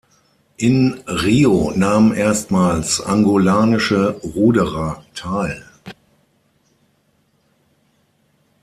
In Rio nahmen erstmals angolanische Ruderer teil.